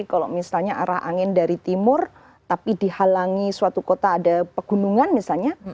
kalau misalnya arah angin dari timur tapi dihalangi suatu kota ada pegunungan misalnya